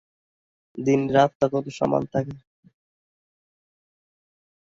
দিন-রাত তখন সমান থাকে।